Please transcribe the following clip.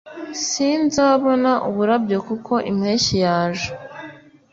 sinzabona uburabyo kuko impeshyi yaje